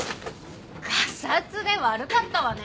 がさつで悪かったわね。